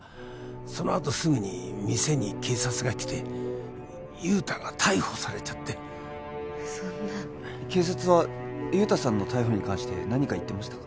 そのあとすぐに店に警察が来て雄太が逮捕されちゃってそんな警察は雄太さんの逮捕に関して何か言ってましたか？